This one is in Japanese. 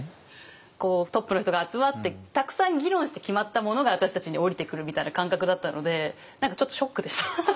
トップの人が集まってたくさん議論して決まったものが私たちに下りてくるみたいな感覚だったので何かちょっとショックでした。